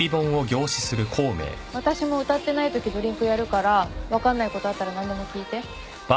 私も歌ってないときドリンクやるから分かんないことあったら何でも聞いて。